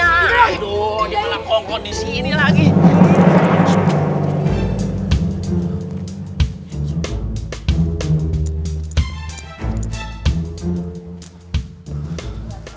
aduh dia malah kongkot di sini lagi